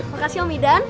makasih om idan